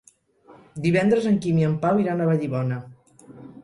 Divendres en Quim i en Pau iran a Vallibona.